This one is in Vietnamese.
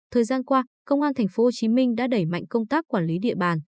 thời gian qua công an tp hcm đã đẩy mạnh công tác quản lý địa bàn